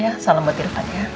ya salam buat irfan ya